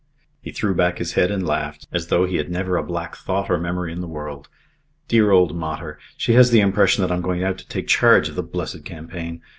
He threw back his head and laughed, as though he had never a black thought or memory in the world. "Dear old mater! She has the impression that I'm going out to take charge of the blessed campaign.